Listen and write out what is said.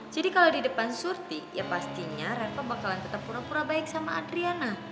jadi kalau didepan surti ya pastinya refa bakalan tetap pura pura baik sama adriana